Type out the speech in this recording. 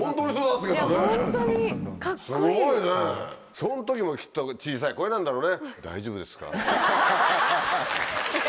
そん時もきっと小さい声なんだろうね。